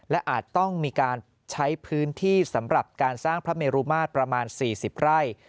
และอาจต้องมีการใช้พื้นที่สำหรับการสร้างพระเมรุมาตรประมาณ๔๐ไร่